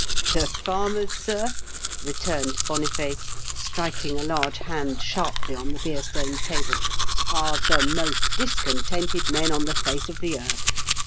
"The farmers, sir," returned Boniface, striking a large hand sharply on the beer stained table, " are the most discontented men on the face of the earth.